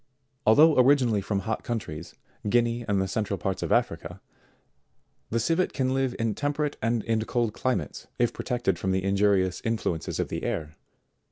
Although originally from hot countries, Guinea and the central parts of Africa, the Civet can live in temperate and in cold climates, if protected from the injurious influences of the air.